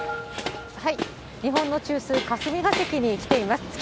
日本の中枢、霞が関に来ています。